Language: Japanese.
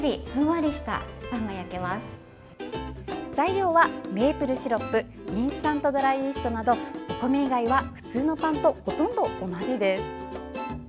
材料はメープルシロップインスタントドライイーストなどお米以外は普通のパンとほとんど同じです。